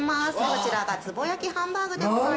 こちらがつぼ焼きハンバーグでございます。